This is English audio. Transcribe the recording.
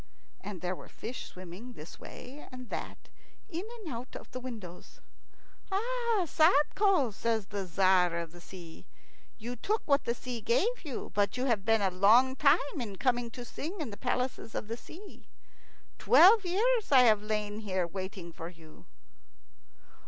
And there were fish swimming this way and that in and out of the windows. "Ah, Sadko," says the Tzar of the Sea, "you took what the sea gave you, but you have been a long time in coming to sing in the palaces of the sea. Twelve years I have lain here waiting for you."